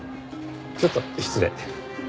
ちょっと失礼。